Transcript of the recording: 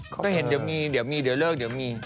ก็เห็นเดี๋ยวมีเดี๋ยวมีเดี๋ยวเลิกเดี๋ยวมี